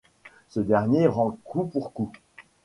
Ce dernier rend coup pour coup.